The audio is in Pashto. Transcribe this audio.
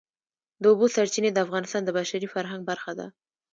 د اوبو سرچینې د افغانستان د بشري فرهنګ برخه ده.